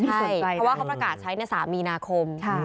ใช่เพราะว่าเขาประกาศใช้ใน๓มีนาคม